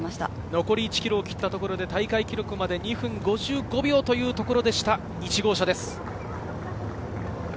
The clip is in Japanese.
残り１ｋｍをきったところで大会記録まで２分５５秒というところでした、１号車です。